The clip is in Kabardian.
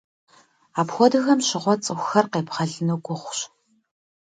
Апхуэдэхэм щыгъуэ цӀыкӀухэр къебгъэлыну гугъущ.